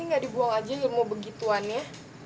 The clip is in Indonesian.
enggak dibuang aja ilmu begituannya